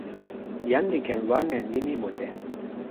jan li ken wan e nimi mute.